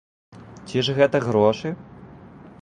Ці ж гэта грошы?